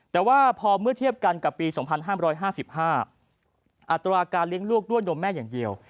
แต่ว่าพอเมื่อเทียบกันกับปี๒๕๕๕อัตราการเลี้ยงลูกด้วยนมแม่อย่างเดียว